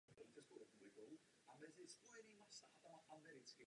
Celá budova je orientována na východ.